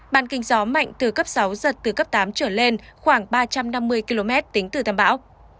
bàn kinh gió mạnh từ cấp sáu giật từ cấp tám trở lên khoảng ba trăm năm mươi km tính từ tâm bão